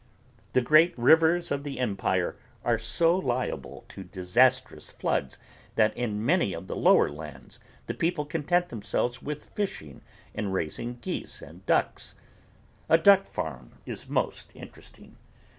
The great rivers of the empire are so liable to disastrous floods that in many of the lower lands the people content themselves with fishing and raising geese and ducks. A duck farm is most interesting.